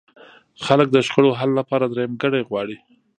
خلک د شخړو حل لپاره درېیمګړی غواړي.